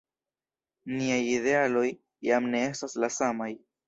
Niaj idealoj jam ne estas la samaj.